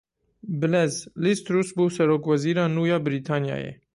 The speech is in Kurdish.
Bilez Liz Truss bû Serokwezîra nû ya Brîtanyayê.